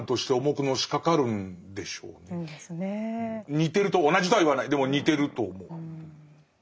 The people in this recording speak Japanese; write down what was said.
似てると同じとは言わないでも似てると思う。